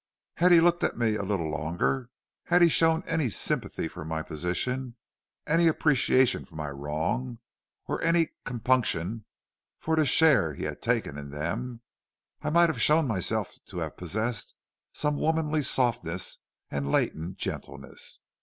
Had he looked at me a little longer; had he shown any sympathy for my position, any appreciation for my wrongs, or any compunction for the share he had taken in them, I might have shown myself to have possessed some womanly softness and latent gentleness.